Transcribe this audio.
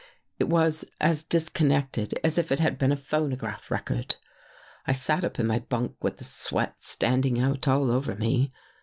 It was as dis connected as if it had been a phonograph record. " I sat up in my bunk with the sweat standing out all over me.